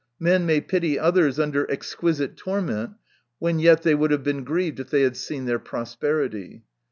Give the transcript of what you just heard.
Men may pity others under exquisite torment, when yet they would have been grieved if they had seen their prosperity.